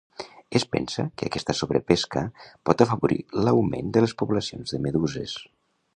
Es pensa que aquesta sobrepesca pot afavorir l'augment de les poblacions de meduses.